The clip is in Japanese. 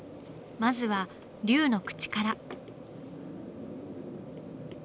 まずは龍の口から。